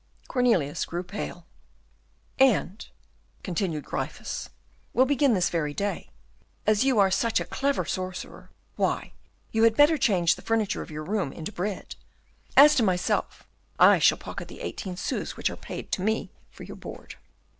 Cornelius grew pale. "And," continued Gryphus, "we'll begin this very day. As you are such a clever sorcerer, why, you had better change the furniture of your room into bread; as to myself, I shall pocket the eighteen sous which are paid to me for your board."